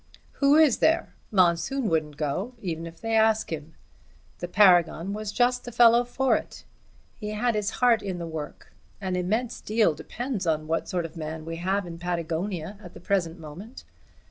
"Who is there? Monsoon won't go, even if they ask him. The Paragon was just the fellow for it. He had his heart in the work. An immense deal depends on what sort of man we have in Patagonia at the present moment.